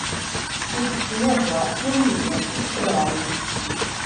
Тут не бачна ніякіх траўм.